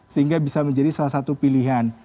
sehingga bisa menjadi salah satu pilihan